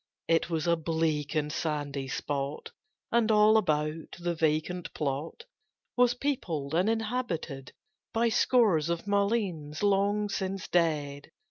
It was a bleak and sandy spot, And, all about, the vacant plot Was peopled and inhabited By scores of mulleins long since dead.